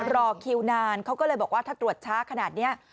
รอคิวนานเขาก็เลยบอกว่าถ้าตรวจช้าขนาดนี้